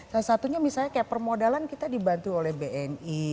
salah satunya misalnya kayak permodalan kita dibantu oleh bni